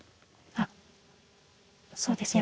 あっそうです。